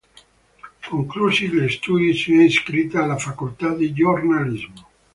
Conclusi gli studi si è iscritta alla facoltà di giornalismo.